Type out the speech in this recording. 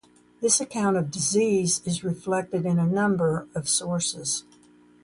This account of disease is reflected in a number of sources.